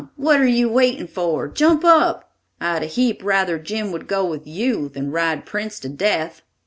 What are you waiting for? Jump up. I'd a heap rather Jim would go with you than ride Prince to death."